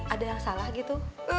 ada yang salah gitu